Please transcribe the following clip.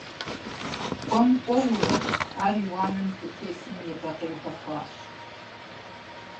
КӀуэм-кӀуэурэ, ар и уанэм здытесым небэ-къебэ хъуащ.